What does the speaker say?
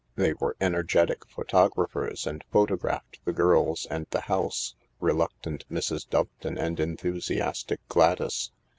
They were energetic photographers and photographed the girls and the house, reluctant Mrs. Doveton and enthusiastic Gladys.